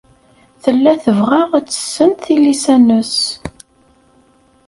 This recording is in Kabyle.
Tella tebɣa ad tessen tilisa-nnes.